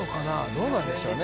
どうなんでしょうね